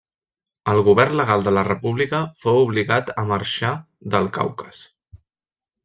El govern legal de la república fou obligat a marxar del Caucas.